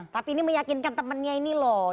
tapi ini meyakinkan temennya ini loh